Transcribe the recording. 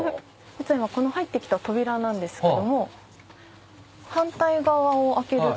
実は今この入ってきた扉なんですけども反対側を開けると。